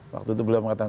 waktu itu beliau mengatakan